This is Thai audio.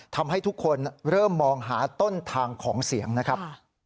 ทำให้ทุกคนเริ่มมองหาต้นทางของเสียงนะครับ